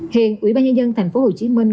hiện ủy ban nhân dân tp hcm